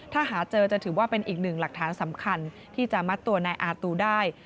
ถ้าหาเจอจะถือว่าเป็นอีกหนึ่งหลักฐานสำคัญที่จะมัดตัวนายอาตูได้